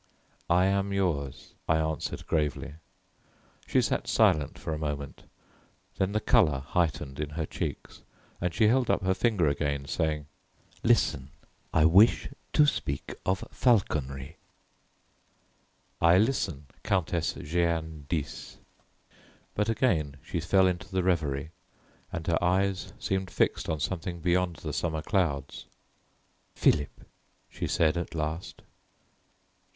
"I am yours," I answered gravely. She sat silent for a moment. Then the colour heightened in her cheeks and she held up her finger again, saying, "Listen; I wish to speak of falconry " "I listen, Countess Jeanne d'Ys." But again she fell into the reverie, and her eyes seemed fixed on something beyond the summer clouds. "Philip," she said at last.